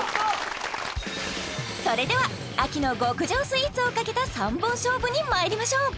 それでは秋の極上スイーツをかけた３本勝負にまいりましょう